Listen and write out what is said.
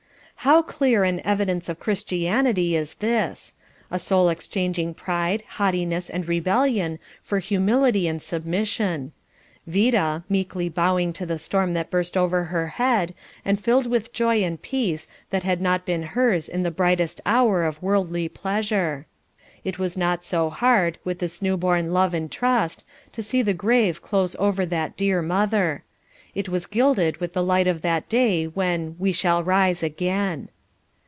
How clear an "evidence of Christianity" is this. A soul exchanging pride, haughtiness, and rebellion for humility and submission. Vida, meekly bowing to the storm that burst over her head, and filled with joy and peace that had not been hers in the brightest hour of worldly pleasure. It was not so hard, with this new born love and trust, to see the grave close over that dear mother. It was gilded with the light of that day when "we shall rise again."